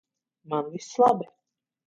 Man viss labi!